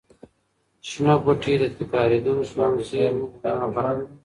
شنه بوټي د تکرارېدونکو زېرمونو مهمه برخه ده.